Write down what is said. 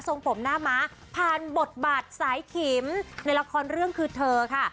ผมหน้าม้าผ่านบทบาทสายขิมในละครเรื่องคือเธอค่ะ